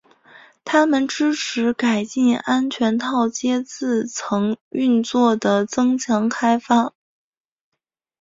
它们支持改进安全套接字层运作的增强开发。